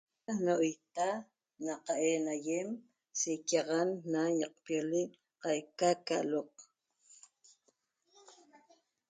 Na n'oita naqa'en ayem sequiaxan na ñaqpiolec qaica ca aloq